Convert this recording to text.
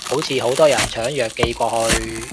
好似好多人搶藥寄過去